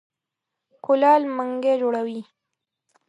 کولال منګی جوړوي.